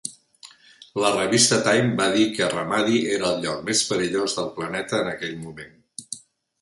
La revista "Time" va dir que Ramadi era el lloc més perillós del planeta en aquell moment.